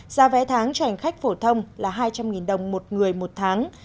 giá vé tháng cho hành khách phổ thông là hai trăm linh đồng một người một tháng